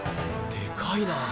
でかいな。